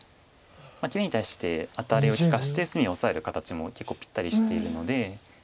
切りに対してアタリを利かして隅をオサえる形も結構ぴったりしてるので。